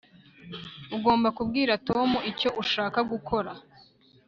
ugomba kubwira tom icyo ushaka gukora